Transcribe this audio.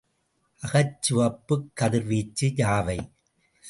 அகச்சிவப்புக் கதிர்வீச்சு யாவை?